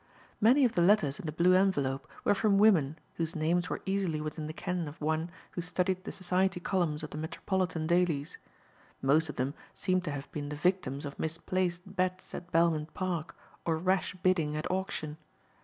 Many of the letters in the blue envelope were from women whose names were easily within the ken of one who studied the society columns of the metropolitan dailies. Most of them seemed to have been the victims of misplaced bets at Belmont Park or rash bidding at Auction.